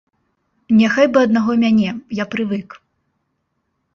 Няхай бы аднаго мяне, я прывык.